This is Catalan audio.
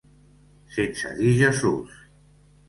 Sense dir Jesús.